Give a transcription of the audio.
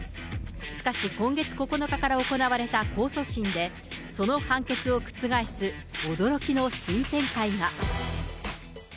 しかし、今月９日から行われた控訴審で、その判決を覆す驚きの新展開が。